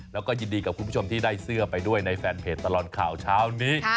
แล้วก็ยินดีกับคุณผู้ชมที่ได้เสื้อไปด้วยในแฟนเพจตลอดข่าวเช้านี้